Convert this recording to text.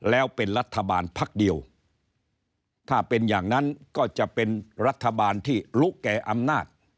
แล้วเป็นรัฐบาลพักเดียวถ้าเป็นอย่างนั้นก็จะเป็นรัฐบาลที่ลุกแก่อำนาจ